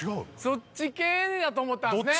そっち系でやと思ったんですね